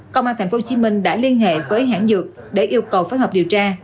công an tp hcm đã liên hệ với hãng dược để yêu cầu phối hợp điều tra